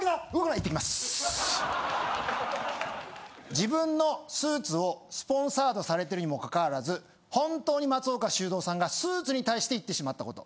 自分のスーツをスポンサードされているにもかかわらず本当に松岡修造さんがスーツに対して言ってしまったこと。